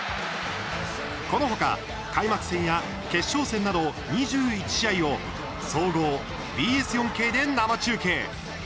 この他、開幕戦や決勝戦など２１試合を総合、ＢＳ４Ｋで生中継。